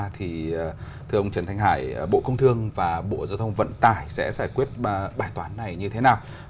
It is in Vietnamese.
thưa ông trần thanh hải bộ công thương và bộ giao thông vận tải sẽ giải quyết bài toán này như thế nào